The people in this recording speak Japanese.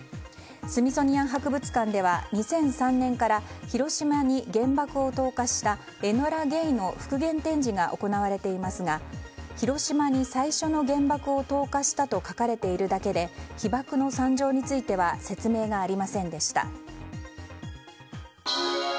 スミソニアン博物館では２００３年から広島に原爆を投下した「エノラ・ゲイ」の復元展示が行われていますが広島に最初の原爆を投下したと書かれているだけで被爆の惨状については説明がありませんでした。